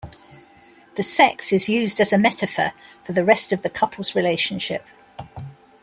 The sex is used as a metaphor for the rest of the couple's relationship.